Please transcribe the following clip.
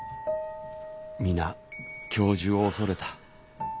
皆教授を恐れた。